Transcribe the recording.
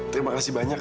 terima kasih banyak